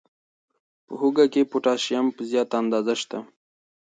په هوږه کې پوتاشیم په زیاته اندازه شته.